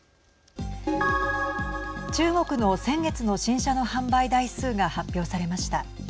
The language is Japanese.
中国の先月の新車の販売台数が発表されました。